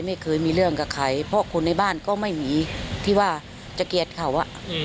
ไม่เคยมีเรื่องกับใครเพราะคนในบ้านก็ไม่มีที่ว่าจะเกลียดเขา